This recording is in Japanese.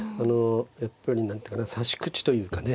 やっぱり何ていうかな指し口というかね